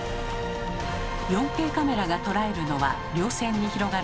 ４Ｋカメラが捉えるのは稜線に広がる広大な大地。